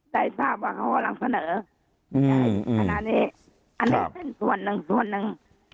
ใจทราบว่าเขาก็รักเสนออืมนครับอันนี้เป็นส่วนหนึ่งส่วนหนึ่ง